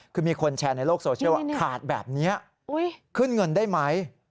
คือมีคนแชร์ในโลกโซเชียลว่าขาดแบบนี้ขึ้นเงินได้ไหม